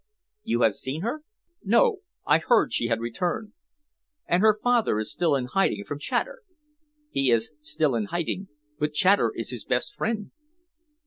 '" "You have seen her?" "No. I heard she had returned." "And her father is still in hiding from Chater?" "He is still in hiding, but Chater is his best friend."